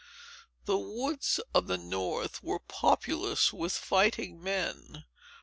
The woods of the north were populous with fighting men.